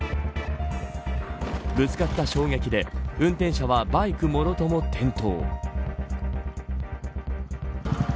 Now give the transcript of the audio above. ぶつかった衝撃で運転者は、バイクもろとも転倒。